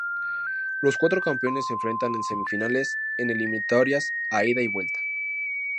Los cuatro campeones se enfrentan en semifinales en eliminatorias a ida y vuelta.